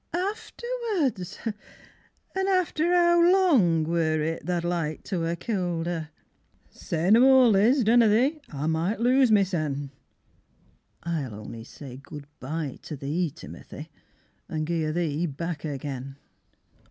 Afterwards! an' after how long Wor it tha'd liked to 'a killed her? Say no more, Liz, dunna thee, I might lose my sen. I'll only say good bye to thee, Timothy, An' gi'e her thee back again.